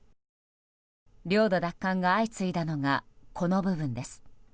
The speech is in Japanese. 領土奪還が相次いだのがこの部分です。